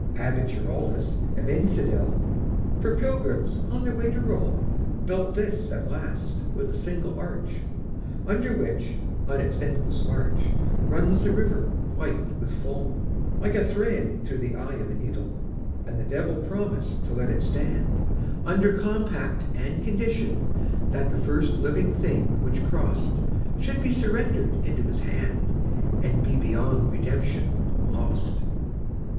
Abbot Giraldus of Einsiedel, For pilgrims on their way to Rome, Built this at last, with a single arch, Under which, on its endless march, Runs the river, white with foam, Like a thread through the eye of a needle. And the Devil promised to let it stand, Under compact and conditionThat the first living thing which crossedShould be surrendered into his hand, And be beyond redemption lost.